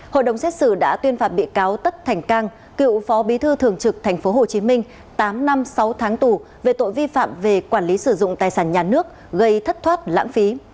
hội đồng xét xử đã tuyên phạt bị cáo tất thành cang cựu phó bí thư thường trực tp hcm tám năm sáu tháng tù về tội vi phạm về quản lý sử dụng tài sản nhà nước gây thất thoát lãng phí